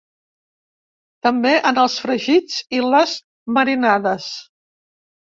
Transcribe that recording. També en els fregits i les marinades.